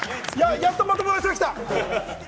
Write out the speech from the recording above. やっとまともな人が来た！